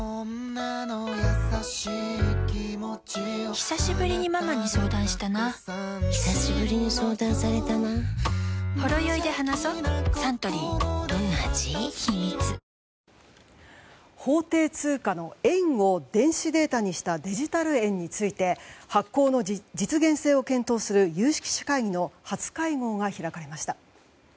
ひさしぶりにママに相談したなひさしぶりに相談されたな法定通貨の円を電子データにしたデジタル円について発行の実現性を検討する有識者会議の初会合が開かれました。